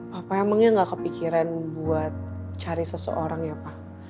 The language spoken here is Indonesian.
papa emangnya gak kepikiran buat cari seseorang ya pak